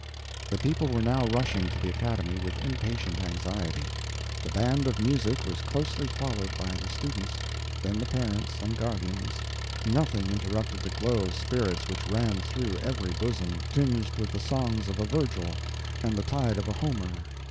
The people were now rushing to the Academy with impatient anxiety; the band of music was closely followed by the students; then the parents and guardians; nothing interrupted the glow of spirits which ran through every bosom, tinged with the songs of a Virgil and the tide of a Homer.